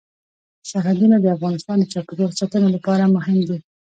سرحدونه د افغانستان د چاپیریال ساتنې لپاره مهم دي.